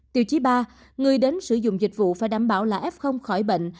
tiêu chí ba người đến sử dụng dịch vụ phải đảm bảo là f khỏi bệnh